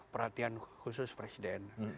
perhatian khusus presiden